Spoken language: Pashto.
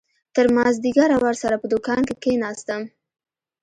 تر مازديگره ورسره په دوکان کښې کښېناستم.